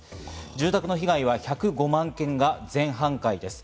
住宅の被害は１０５万軒が全半壊です。